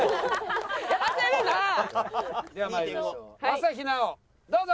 朝日奈央どうぞ。